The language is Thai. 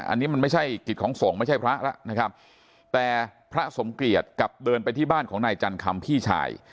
อันนี้มันไม่ใช่กิจของสงฆ์ไม่ใช่พระแล้วนะครับแต่พระสมเกียจกลับเดินไปที่บ้านของนายจันคำพี่ชาย